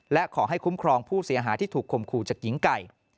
และขอให้คุ้มครองผู้เสียหายที่ถูกคมขู่จากหญิงไก่